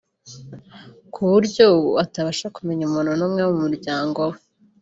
kuburyo ubu atabasha kumenya umuntu n’umwe wo mu muryango we